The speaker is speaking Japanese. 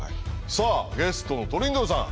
さあゲストのトリンドルさん。